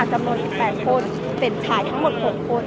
จำนวน๑๘คนเป็นชายทั้งหมด๖คน